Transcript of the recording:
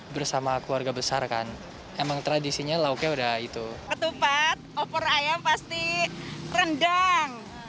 bersama keluarga besar kan emang tradisinya lauknya udah itu ketupat opor ayam pasti rendang